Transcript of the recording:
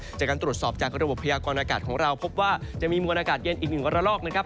จากการตรวจสอบจากระบบพยากรณากาศของเราพบว่าจะมีมวลอากาศเย็นอีกหนึ่งระลอกนะครับ